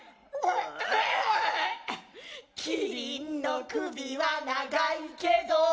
「キリンの首は長いけど」